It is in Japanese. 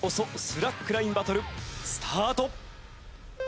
スラックラインバトルスタート！